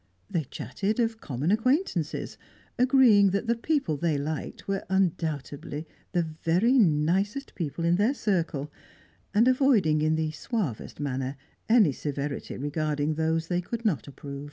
They chatted of common acquaintances, agreeing that the people they liked were undoubtedly the very nicest people in their circle, and avoiding in the suavest manner any severity regarding those they could not approve.